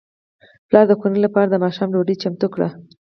پلار د کورنۍ لپاره د ماښام ډوډۍ چمتو کړه.